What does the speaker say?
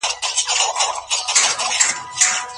بيوميډيکل انجنیران څه کار کوي؟